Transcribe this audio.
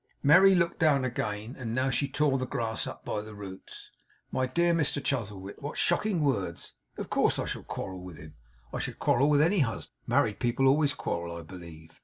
Merry looked down again; and now she tore the grass up by the roots. 'My dear Mr Chuzzlewit, what shocking words! Of course, I shall quarrel with him. I should quarrel with any husband. Married people always quarrel, I believe.